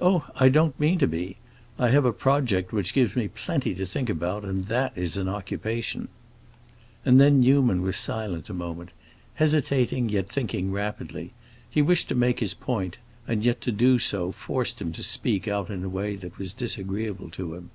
"Oh, I don't mean to be. I have a project which gives me plenty to think about, and that is an occupation." And then Newman was silent a moment, hesitating, yet thinking rapidly; he wished to make his point, and yet to do so forced him to speak out in a way that was disagreeable to him.